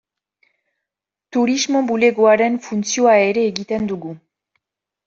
Turismo bulegoaren funtzioa ere egiten dugu.